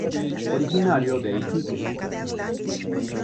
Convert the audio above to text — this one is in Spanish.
Originario de Iquique.